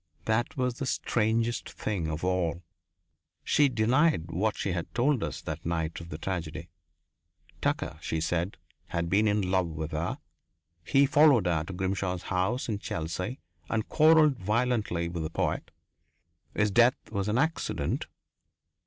That was the strangest thing of all. She denied what she had told us that night of the tragedy. Tucker, she said, had been in love with her; he followed her to Grimshaw's house in Chelsea and quarrelled violently with the poet. His death was an accident.